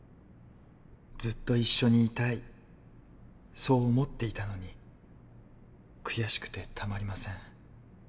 ずっと一緒にいたいそう思っていたのに悔しくてたまりません。